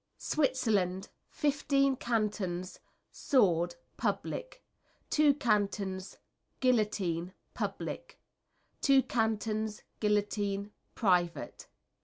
Switzerland Fifteen cantons, sword, public. Two cantons, guillotine, public. Two cantons, guillotine, private.